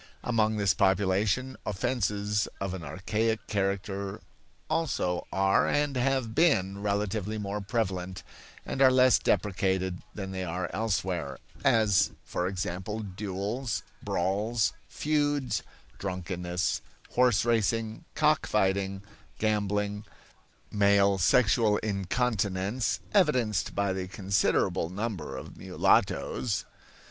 Among this population offenses of an archaic character also are and have been relatively more prevalent and are less deprecated than they are elsewhere; as, for example, duels, brawls, feuds, drunkenness, horse racing, cock fighting, gambling, male sexual incontinence (evidenced by the considerable number of mulattoes).